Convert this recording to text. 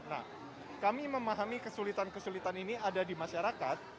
nah kami memahami kesulitan kesulitan ini ada di masyarakat